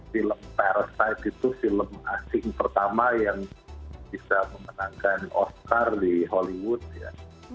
film parasite itu film asing pertama yang bisa memenangkan oscar di hollywood ya